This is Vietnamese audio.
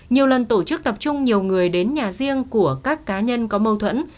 nhiều lần tổ chức tập trung nhiều người đến nhà riêng của các cá nhân có mâu thuẫn